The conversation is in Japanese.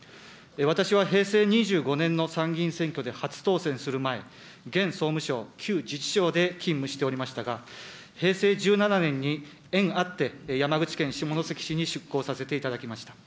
私は平成２５年の参議院選挙で初当選する前、現総務省、旧自治省で勤務しておりましたが、平成１７年に縁あって、山口県下関市に出向させていただきました。